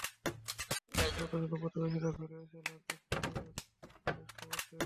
কান্নার শব্দ শুনে প্রতিবেশীরা ঘরে এসে লাশ দেখতে পেয়ে পুলিশে খবর দেয়।